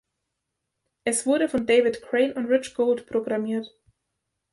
Es wurde von David Crane und Rich Gold programmiert.